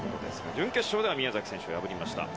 準決勝では宮崎選手を破りました。